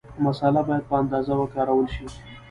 مساله باید په اندازه وکارول شي.